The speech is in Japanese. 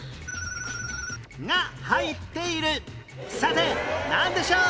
さてなんでしょう？